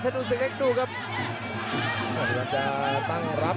กระโดยสิ้งเล็กนี่ออกกันขาสันเหมือนกันครับ